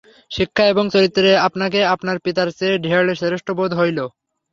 শিক্ষা এবং চরিত্রে আপনাকে আপনার পিতার চেয়ে ঢের শ্রেষ্ঠ বোধ হইল।